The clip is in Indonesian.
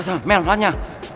masa mel tanya